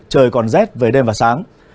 trời còn rét với đêm và sáng